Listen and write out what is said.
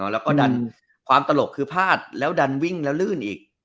แล้วก็ดันความตลกคือพลาดแล้วดันวิ่งแล้วลื่นอีก